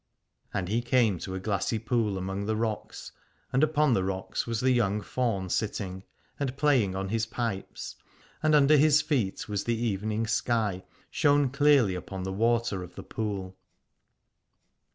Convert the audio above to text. And he came to a glassy pool among the rocks : and upon the rocks was the young faun sitting, and playing on his pipes, and under his feet was the evening sky, shown clearly upon the water of the pool.